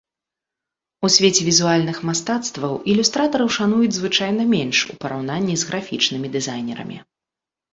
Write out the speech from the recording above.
У свеце візуальных мастацтваў ілюстратараў шануюць звычайна менш у параўнанні з графічнымі дызайнерамі.